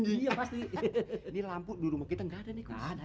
ini lampu di rumah kita gak ada nih